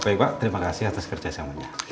baik pak terima kasih atas kerja sama sama